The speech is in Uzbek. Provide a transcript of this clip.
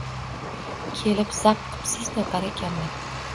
Kelib zap qipsizda. Barakalla.